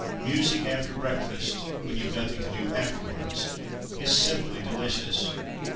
Music after breakfast—when you've nothing to do afterwards, is simply delicious."